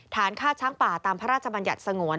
ฐานฆ่าช้างป่าตามพระราชบัญญัติสงวน